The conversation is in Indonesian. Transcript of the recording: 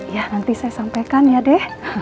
ya nanti saya sampaikan ya deh